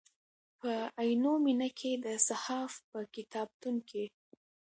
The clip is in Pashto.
په عینومېنه کې د صحاف په کتابتون کې.